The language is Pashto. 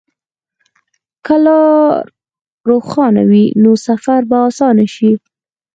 که لار روښانه وي، نو سفر به اسانه شي.